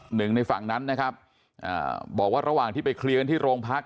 หนึ่งในฝั่งนั้นนะครับอ่าบอกว่าระหว่างที่ไปเคลียร์กันที่โรงพัก